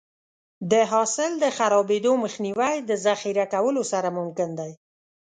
د حاصل د خرابېدو مخنیوی د ذخیره کولو سره ممکن دی.